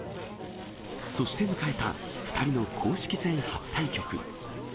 そして迎えた２人の公式戦初対局。